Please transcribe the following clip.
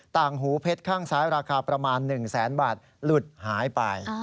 ต่างหูเพชรข้างซ้ายราคาประมาณ๑แสนบาทหลุดหายไป